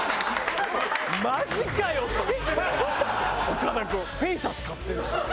岡田君フェイタス買ってるの。